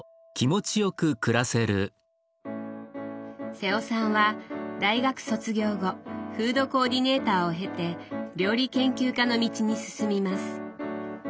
瀬尾さんは大学卒業後フードコーディネーターを経て料理研究家の道に進みます。